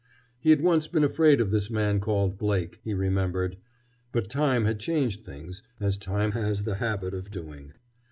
He had once been afraid of this man called Blake, he remembered. But time had changed things, as time has the habit of doing.